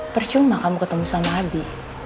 percuma kamu ketemu sama habi